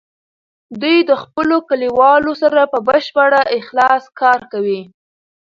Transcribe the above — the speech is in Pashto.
دوی د خپلو کلیوالو سره په بشپړ اخلاص کار کوي.